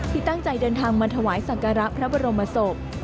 ตั้งใจเดินทางมาถวายสักการะพระบรมศพ